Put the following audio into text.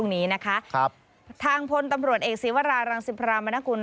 ซึ่งนางกะนิตานี่เป็นหัวหน้าหน่วยปฏิบัติการนิติวิทยาศาสตร์